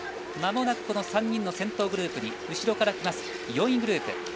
まもなく３人の先頭グループに後ろから来ます、４位グループ。